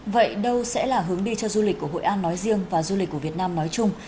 vậy đâu sẽ là hướng đi cho du lịch của hội an nói riêng và du lịch của việt nam nói chung